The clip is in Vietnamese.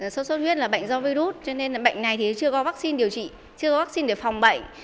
sốt xuất huyết là bệnh do virus cho nên bệnh này thì chưa có vaccine điều trị chưa vaccine để phòng bệnh